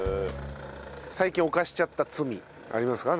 最近犯しちゃった罪ありますか？